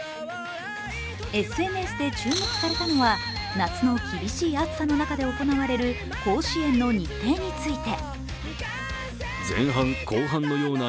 ＳＮＳで注目されたのは夏の厳しい暑さの中で行われる甲子園の日程について。